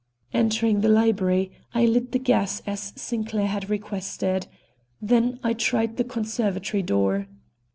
Entering the library, I lit the gas as Sinclair had requested. Then I tried the conservatory door.